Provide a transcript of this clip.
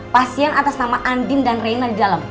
pasien atas nama andin dan raina di dalam